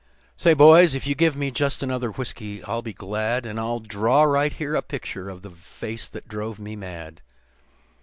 "Say, boys, if you give me just another whiskey I'll be glad, And I'll draw right here a picture of the face that drove me mad.